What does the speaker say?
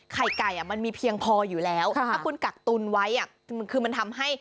ไข่ไก่มันมีเพียงพออยู่แล้วถ้าคุณกักตุนไว้คือมันทำให้